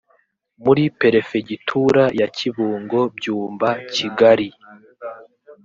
muri perefegitura ya kibungo byumba kigari